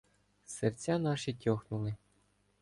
Серця наші тьохнули.